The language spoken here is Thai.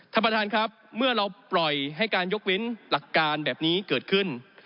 ท่านประธานครับเมื่อเราปล่อยให้การยกเว้นหลักการแบบนี้เกิดขึ้น